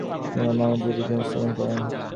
তিনি একটি মহিলাদের বিদ্যালয় স্থাপন করেন।